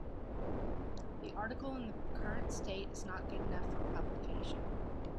The article in the current state is not good enough for publication.